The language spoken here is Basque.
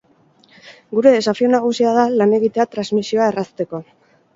Gure desafio nagusia da lan egitea transmisioa errazteko.